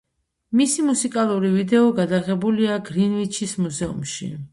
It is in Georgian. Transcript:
მისი მუსიკალური ვიდეო გადაღებულია გრინვიჩის მუზეუმში.